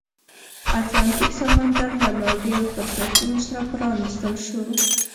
اتلانتیک سمندر له لا ډېرو فرصتونو سره پرانیستل شو.